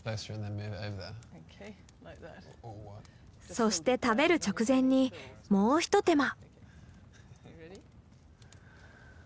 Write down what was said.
そして食べる直前にもう一手間。